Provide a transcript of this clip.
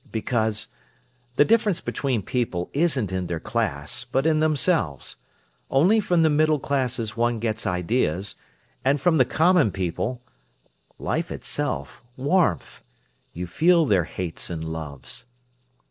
"Because—the difference between people isn't in their class, but in themselves. Only from the middle classes one gets ideas, and from the common people—life itself, warmth. You feel their hates and loves."